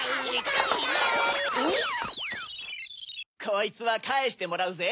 こいつはかえしてもらうぜ！